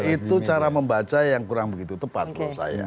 itu cara membaca yang kurang begitu tepat menurut saya